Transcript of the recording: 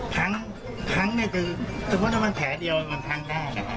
ถ้ามันแผลเดียวมันทั้งได้นะครับ